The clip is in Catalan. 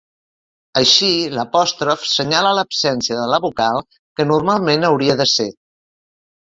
Així, l'apòstrof senyala l'absència de la vocal que normalment hauria de ser.